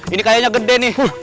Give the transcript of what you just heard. ini kayaknya gede nih